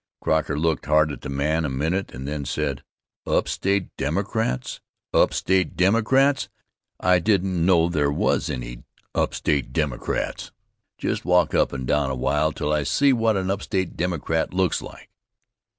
Croker looked hard at the man a minute and then said: "Upstate Democrats! Upstate Democrats! I didn't know there was any upstate Democrats. Just walk up and down a while till I see what an upstate Democrat looks like."